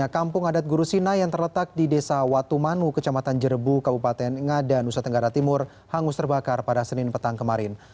kampung adat gurusina yang terletak di desa watumanu kecamatan jerebu kabupaten ngada nusa tenggara timur hangus terbakar pada senin petang kemarin